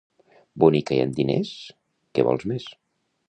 Bonica i amb diners, què vols més?